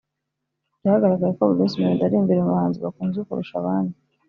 byagaragaye ko Bruce Melody ari imbere mu bahanzi bakunzwe kurusha abandi